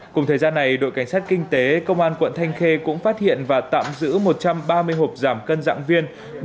cùng thời gian này đội cảnh sát kinh tế công an quận thanh khê cũng phát hiện và tạm giữ một trăm ba mươi hộp giảm cân dạng viên